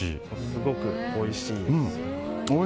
すごくおいしいです。